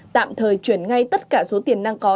tạm thời chuyển ngay tất cả số tiền đang có